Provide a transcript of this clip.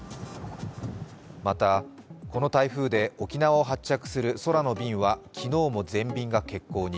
また、この台風で沖縄を発着する空の便は昨日も全便が欠航に。